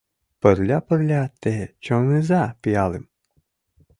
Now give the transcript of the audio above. Пырля-пырля те чоҥыза пиалым